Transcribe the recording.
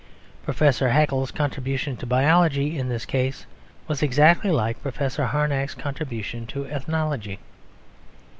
Professor Haeckel's contribution to biology, in this case, was exactly like Professor Harnack's contribution to ethnology.